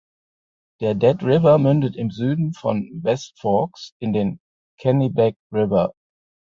Der Dead River mündet im Süden von West Forks in den Kennebec River.